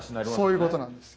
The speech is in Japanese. そういうことなんです。